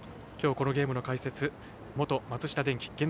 きょう、このゲームの解説元松下電器